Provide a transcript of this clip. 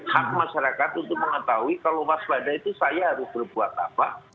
hak masyarakat untuk mengetahui kalau waspada itu saya harus berbuat apa